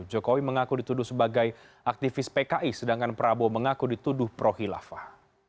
jokowi mengaku dituduh sebagai aktivis pki sedangkan prabowo mengaku dituduh pro hilafah